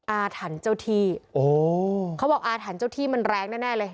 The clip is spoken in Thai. อาถรรพ์เจ้าที่โอ้เขาบอกอาถรรพ์เจ้าที่มันแรงแน่เลย